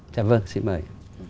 dạ vâng xin mời